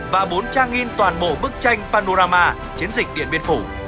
và bốn trang in toàn bộ bức tranh panorama chiến dịch điện biên phủ